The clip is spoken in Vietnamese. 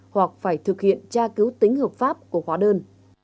hoặc phải thực hiện tra cứu tính hợp pháp của hóa đơn